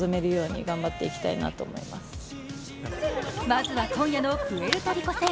まずは今夜のプエルトリコ戦。